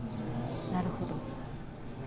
なるほど。